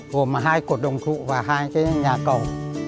gồm hai cột đồng thụ và hai nhà cầu